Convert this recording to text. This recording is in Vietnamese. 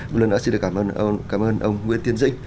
một lần nữa xin được cảm ơn ông nguyễn tiến dinh